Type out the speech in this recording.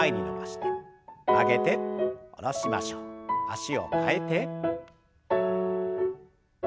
脚を替えて。